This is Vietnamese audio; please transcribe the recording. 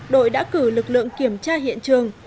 đội đã cử lực lượng kiểm tra hiện trường